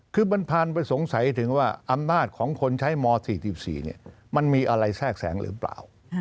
คือมันผ่านไปสงสัยถึงว่าอำนาจของคนใช้ม๔๔มันมีอะไรแทรกแสงหรือเปล่า